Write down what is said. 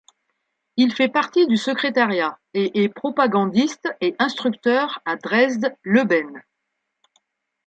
Il fait partie du secrétariat et est propagandiste et instructeur à Dresde-Leuben.